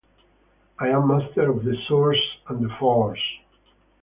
I am Master of the Source and the Force.